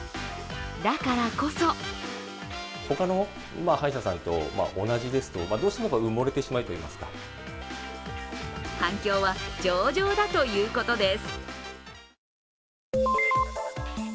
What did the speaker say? だからこそ反響は上々だということです。